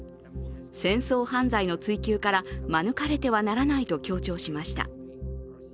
戦争犯罪の追及から免れてはならないと強調しました。